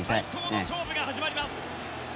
最高の勝負が始まります。